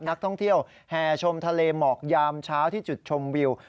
นักท่องเที่ยวแห่ชมทะเลหมอกยามเช้าที่จุดชมวิว